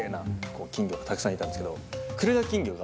金魚がたくさんいたんですけど。